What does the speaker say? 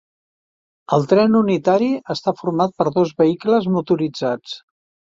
El tren unitari està format per dos vehicles motoritzats.